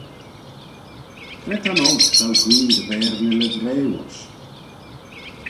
Cre ta'n olk t'ou guee dy v'er ny livrey voish?